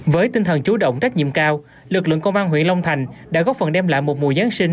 với tinh thần chú động trách nhiệm cao lực lượng công an huyện long thành đã góp phần đem lại một mùa giáng sinh